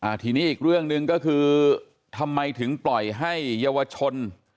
ทีนี้อีกเรื่องหนึ่งก็คือทำไมถึงปล่อยให้เยาวชน